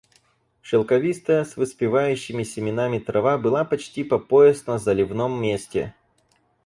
Шелковистая с выспевающими семенами трава была почти по пояс на заливном месте.